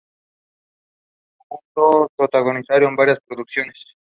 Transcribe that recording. Juntos protagonizaron varias producciones.